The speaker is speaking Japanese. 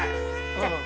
じゃあ。